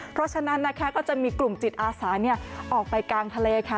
เพราะฉะนั้นนะคะก็จะมีกลุ่มจิตอาสาออกไปกลางทะเลค่ะ